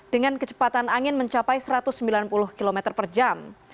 dengan kecepatan angin mencapai satu ratus sembilan puluh km per jam